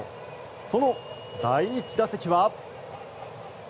その第１打席は。